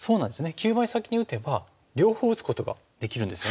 急場に先に打てば両方打つことができるんですよね。